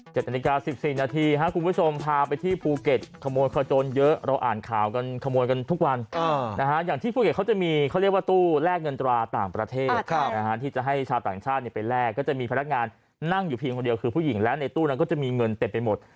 ๗นาฬิกา๑๔นาทีครับคุณผู้ชมพาไปที่ภูเก็ตขโมยขโจรเยอะเราอ่านข่าวกันขโมยกันทุกวันอย่างที่ภูเก็ตเขาจะมีเขาเรียกว่าตู้แลกเงินตราต่างประเทศที่จะให้ชาวต่างชาติไปแลกก็จะมีพนักงานนั่งอยู่เพียงคนเดียวคือผู้หญิงแล้วในตู้นั้นก็จะมีเงินเต็มไปหมด